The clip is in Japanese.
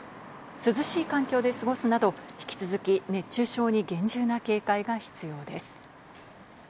涼しい環境で過ごすなど、引き続き熱中症に厳重な警戒が必要です。